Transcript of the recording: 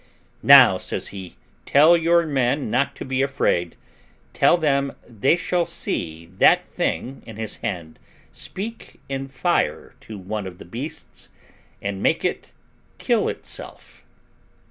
"Now," says he, "tell your men not to be afraid; tell them they shall see that thing in his hand speak in fire to one of those beasts, and make it kill itself."